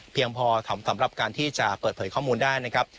พอสำหรับการที่จะเปิดเผยข้อมูลได้นะครับ